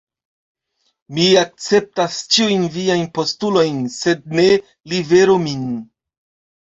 Mi akceptas ĉiujn viajn postulojn; sed ne liveru min.